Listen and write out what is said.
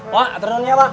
wah terdunnya apa